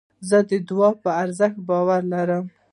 زه د دؤعا په ارزښت باور لرم.